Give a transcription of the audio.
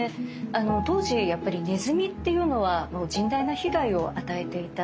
当時やっぱりねずみっていうのは甚大な被害を与えていた。